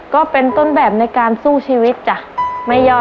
ก็เป็นต้นแบบในการสู้ชีวิตจ้ะไม่ย่อ